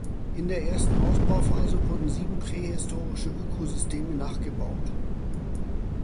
In der ersten Ausbauphase wurden sieben prähistorische Ökosysteme nachgebaut.